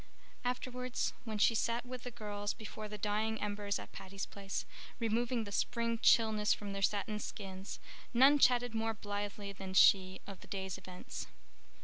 Afterwards, when she sat with the girls before the dying embers at Patty's Place, removing the spring chilliness from their satin skins, none chatted more blithely than she of the day's events.